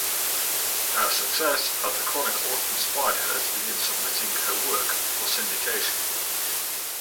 Her success at the Chronicle inspired her to begin submitting her work for syndication.